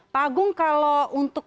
pak agung kalau untuk